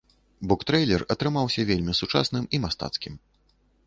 Буктрэйлер атрымаўся вельмі сучасным і мастацкім.